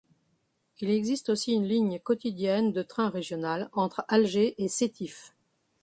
Il existe aussi une ligne quotidienne de train régional entre Alger et Sétif.